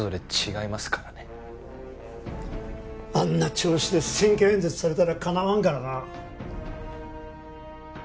あんな調子で選挙演説されたらかなわんからな。